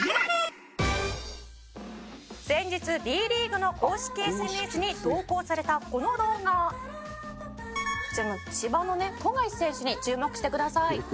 「先日Ｂリーグの公式ＳＮＳに投稿されたこの動画」「こちらの千葉のね富樫選手に注目してください」